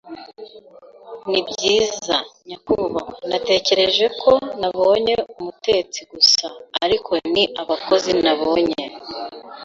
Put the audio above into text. Nibyiza, nyakubahwa, natekereje ko nabonye umutetsi gusa, ariko ni abakozi nabonye.